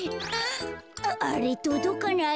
あれっとどかない。